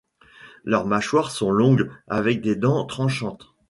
Leurs mâchoires sont longues avec des dents tranchantes.